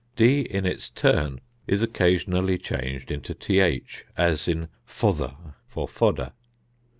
d in its turn is occasionally changed into th; as in fother for fodder.